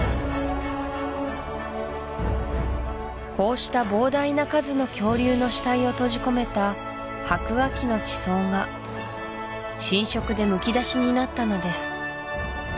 こうした膨大な数の恐竜の死体を閉じ込めた白亜紀の地層が浸食でむき出しになったのです